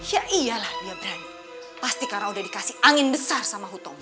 ya iya lah dia berani pasti karena udah dikasih angin besar sama hu tomo